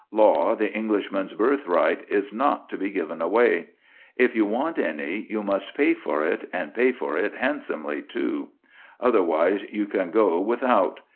Law, the Englishman's birthright, is not to be given away. If you want any, you must pay for it, and pay for it handsomely, too. Otherwise you can go without.